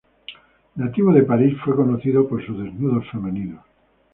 Nativo de París fue conocido por sus desnudos femeninos.